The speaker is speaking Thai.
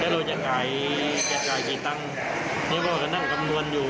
แล้วเราจะขายจะจ่ายกี่ตังค์เพราะว่าจะนั่งกำนวณอยู่